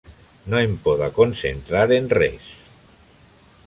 No em poda concentrar en res.